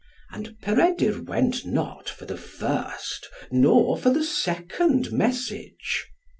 And Peredur went not for the first nor for the second message.